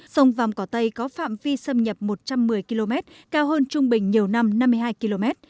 sông vàm cỏ tây có phạm vi xâm nhập một trăm một mươi km cao hơn trung bình nhiều năm năm mươi hai km